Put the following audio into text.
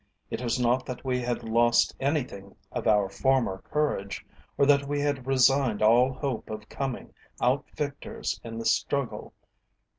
It was not that we had lost anything of our former courage, or that we had resigned all hope of coming out victors in the struggle.